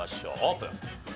オープン。